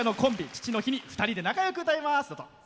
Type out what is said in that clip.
父の日に２人で仲よく歌います。